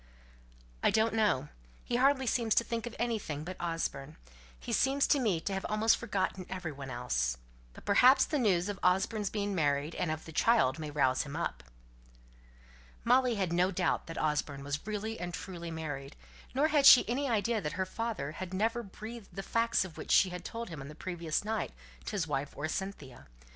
"I don't know. He hardly seems to think of anything but Osborne. He appears to me to have almost forgotten every one else. But perhaps the news of Osborne's being married, and of the child, may rouse him up." Molly had no doubt that Osborne was really and truly married, nor had she any idea that her father had never breathed the facts of which she had told him on the previous night, to his wife or Cynthia.